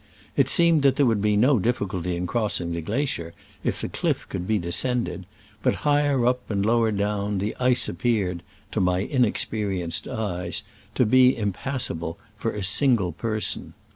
It seemed that there would be no dif ficulty in crossing the glacier if the cliff could be descended, but higher up and lower down the ice appeared, to my in experienced eyes, to be impassable for a single person.